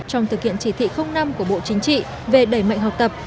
trong thực hiện chỉ thị năm của bộ chính trị về đẩy mạnh học tập